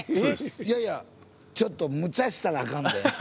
いやいやちょっとむちゃしたらあかんで。